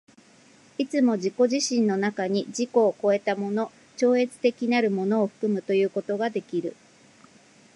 いつも自己自身の中に自己を越えたもの、超越的なるものを含むということができる。